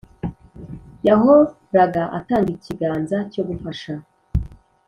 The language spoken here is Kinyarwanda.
yahoraga atanga ikiganza cyo gufasha,